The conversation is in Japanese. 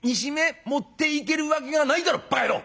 持っていけるわけがないだろばか野郎！」。